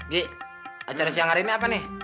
gi acara siang hari ini apa nih